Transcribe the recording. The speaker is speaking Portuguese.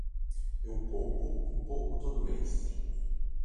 Eu poupo um pouco todo mês.